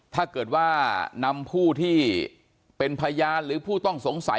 ถ้าเกิดว่านำผู้ที่เป็นพยานหรือผู้ต้องสงสัย